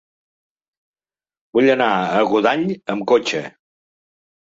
Vull anar a Godall amb cotxe.